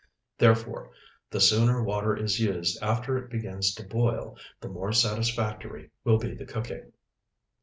Therefore, the sooner water is used after it begins to boil, the more satisfactory will be the cooking.